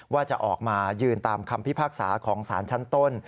ว่าจะออกมายืนตามคำพิพากษาของสารชั้นต้น